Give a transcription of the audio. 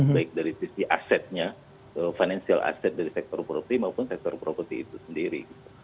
baik dari sisi asetnya financial asset dari sektor properti maupun sektor properti itu sendiri